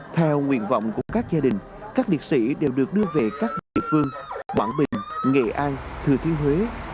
theo nguyện vọng của các gia đình các liệt sĩ đều được đưa về các địa phương quảng bình nghệ an thừa thiên huế